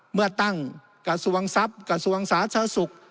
เมื่อตั้งกระทรวงทรัพย์กระทรวงสาธารณสุข